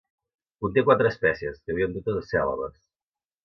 Conté quatre espècies, que viuen totes a Cèlebes.